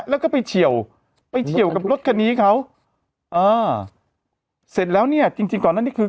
แล้วก็ไปเฉียวไปเฉียวกับรถคันนี้เขาอ่าเสร็จแล้วเนี่ยจริงจริงก่อนนั้นนี่คือ